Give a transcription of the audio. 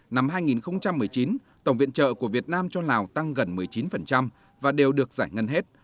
năm hai nghìn một mươi chín tổng viện trợ của việt nam cho lào tăng gần một mươi chín và đều được giải ngân hết